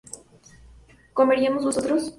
¿comiéramos nosotros?